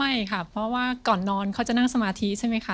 ไม่ค่ะเพราะว่าก่อนนอนเขาจะนั่งสมาธิใช่ไหมคะ